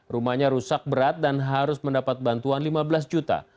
rumahnya rusak berat dan harus mendapat bantuan lima belas juta